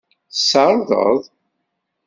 Tessardeḍ.